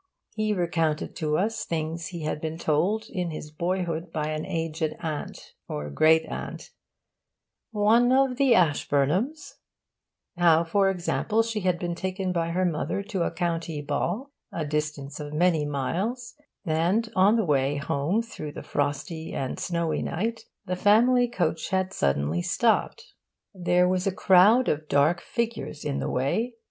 He recounted to us things he had been told in his boyhood by an aged aunt, or great aunt 'one of the Ashburnhams'; how, for example, she had been taken by her mother to a county ball, a distance of many miles, and, on the way home through the frosty and snowy night, the family coach had suddenly stopped: there was a crowd of dark figures in the way...